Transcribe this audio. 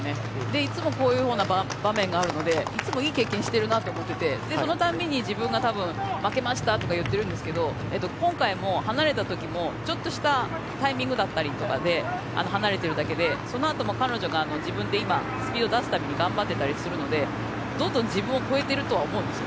いつもこういう場面があるのでいつもいい経験してるなと思っていて、そのたびに自分がたぶん、負けましたって言ってるんですけど今回も離れた時もちょっとしたタイミングだったりとかで離れているだけでそのあとも彼女が自分で今、スピードを出すために頑張ってたりするのでどんどん自分を超えてるとは思うんですよ。